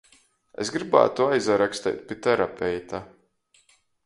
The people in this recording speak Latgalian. Es grybātum aizaraksteit pi terapeita.